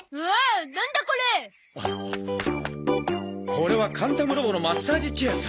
これはカンタムロボのマッサージチェアさ。